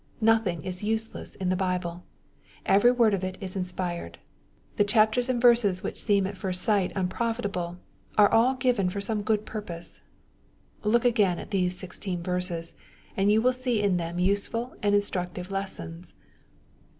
Nothing is useless in the Bible. Every wonl of it is inspired. The chapters and verses which seem at first sight Tmprofitable, are all given for some good purpose. Look again at these sixteen verses, and you will see in them useful and instructive lessons.